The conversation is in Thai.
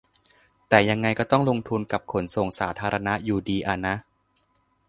แต่ยังไงก็ต้องลงทุนกับขนส่งสาธารณะอยู่ดีอะนะ